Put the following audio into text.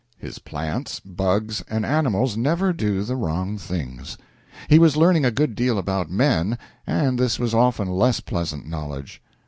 His plants, bugs, and animals never do the wrong things. He was learning a good deal about men, and this was often less pleasant knowledge.